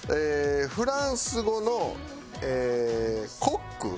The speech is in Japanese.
フランス語の「コック」？